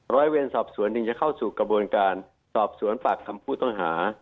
ร้อยเวรสอบสวนจึงจะเข้าสู่กระบวนการสอบสวนปากคำผู้ต้องหา